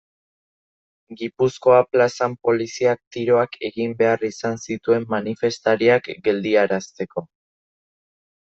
Gipuzkoa plazan poliziak tiroak egin behar izan zituen manifestariak geldiarazteko.